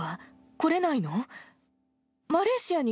来れないの？